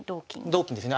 同金ですね